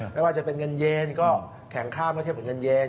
ไม่ว่าจะเป็นเงินเย็นก็แข็งค่าเมื่อเทียบกับเงินเย็น